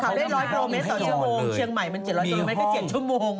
เชียงใหม่มัน๗๐๐กิโลเมตรต่อชั่วโมง